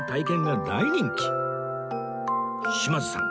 島津さん